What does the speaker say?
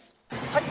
はい。